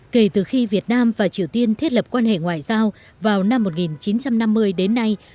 kể từ khi việt nam và triều tiên thiết lập quan hệ ngoại giao vào năm một nghìn chín trăm năm mươi đến nay